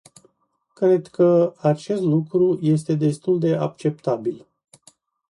Cred că acest lucru este destul de acceptabil.